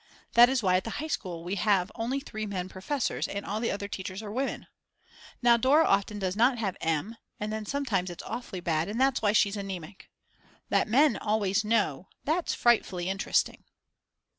That is why at the High School we have only three men professors and all the other teachers are women. Now Dora often does not have M and then sometimes it's awfully bad, and that's why she's anemic. That men always know, that's frightfully interesting.